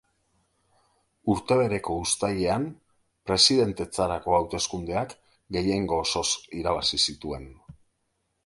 Urte bereko uztailean, presidentetzarako hauteskundeak gehiengo osoz irabazi zituen.